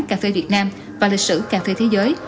cà phê việt nam và lịch sử cà phê thế giới